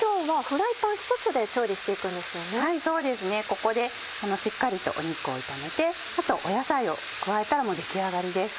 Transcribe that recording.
ここでしっかりと肉を炒めてあと野菜を加えたらもう出来上がりです。